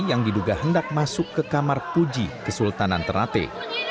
yang diduga hendak masuk ke kamar puji kesultanan ternate